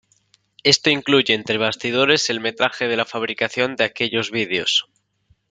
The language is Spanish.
Esto incluye entre bastidores el metraje de la fabricación de aquellos vídeos.